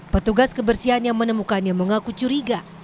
petugas kebersihan yang menemukannya mengaku curiga